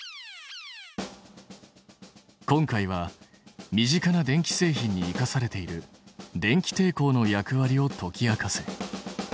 今回は身近な電気製品に生かされている電気抵抗の役割を解き明かせ。